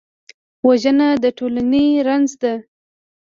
وژنه د ټولنې رنځ ده